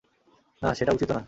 না, সেটা উচিতও না!